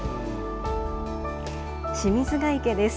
清水ヶ池です。